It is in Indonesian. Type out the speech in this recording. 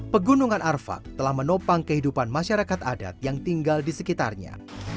pegunungan arfak telah menopang kehidupan masyarakat adat yang tinggal di sekitarnya